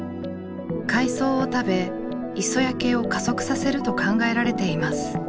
海藻を食べ磯焼けを加速させると考えられています。